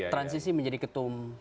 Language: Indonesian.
transisi menjadi ketum